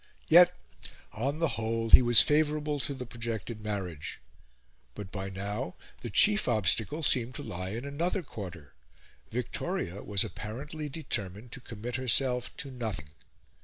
Yet, on the whole, he was favourable to the projected marriage. But by now the chief obstacle seemed to lie in another quarter, Victoria was apparently determined to commit herself to nothing.